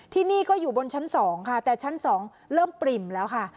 ที่นี่ก็อยู่บนชั้น๒ค่ะแต่ชั้น๒เริ่มปริ่มแล้วค่ะ